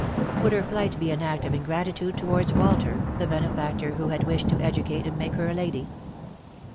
Would her flight be an act of ingratitude towards Walter, the benefactor who had wished to educate and make her a lady